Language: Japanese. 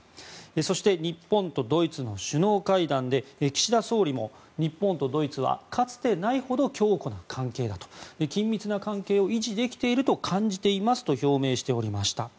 そして、日本とドイツの首脳会談で岸田総理も日本とドイツはかつてないほど強固な関係だと緊密な関係を維持できていると感じていますと表明しておりました。